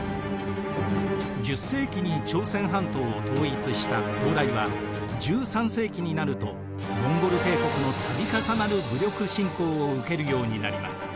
１０世紀に朝鮮半島を統一した高麗は１３世紀になるとモンゴル帝国の度重なる武力侵攻を受けるようになります。